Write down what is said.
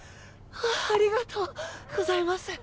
ありがとうございます。